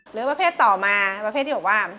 หรือประเภทต่อมาประเภทที่บอกว่า